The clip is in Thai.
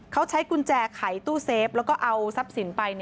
เขาใช้กุญแจไขตู้เซฟแล้วก็เอาทรัพย์สินไป